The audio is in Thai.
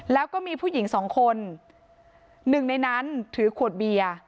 แล้วก็มีผู้หญิงสองคนหนึ่งในนั้นถือขวดเบียร์